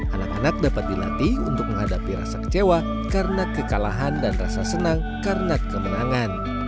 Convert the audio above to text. anak anak dapat dilatih untuk menghadapi rasa kecewa karena kekalahan dan rasa senang karena kemenangan